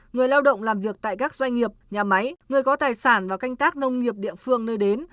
người lao động làm việc tại các doanh nghiệp nhà máy người có tài sản và canh tác nông nghiệp địa phương nơi đến